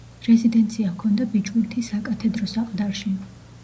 რეზიდენცია ჰქონდა ბიჭვინთის საკათედრო საყდარში.